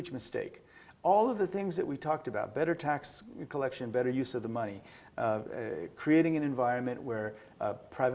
jika indonesia bergerak dengan agresif